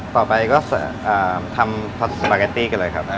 ต่อไปก็ทำพอร์สสะแบรกาตี้กันเลยครับ